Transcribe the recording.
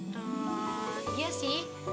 tuh dia sih